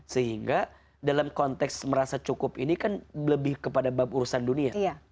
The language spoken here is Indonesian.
sehingga dalam konteks merasa cukup ini kan lebih kepada bab urusan dunia